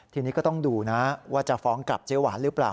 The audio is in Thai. ทีนี้ก็ต้องดูนะว่าจะฟ้องกลับเจ๊หวานหรือเปล่า